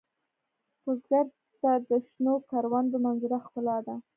بزګر ته د شنو کروندو منظره ښکلا ده